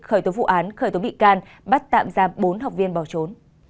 khởi tố vụ án khởi tố bị can bắt tạm giam bốn học viên bỏ trốn